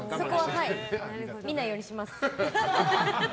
見ないようにします。